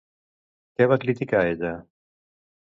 Què va criticar ella?